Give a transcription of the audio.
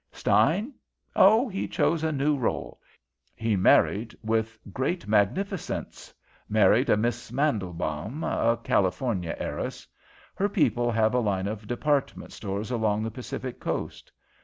"Stein? Oh, he chose a new rôle. He married with great magnificence married a Miss Mandelbaum, a California heiress. Her people have a line of department stores along the Pacific Coast.